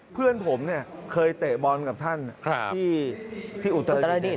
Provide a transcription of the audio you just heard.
เพื่อนผมเคยเตะบอลกับท่านที่อุตรดิต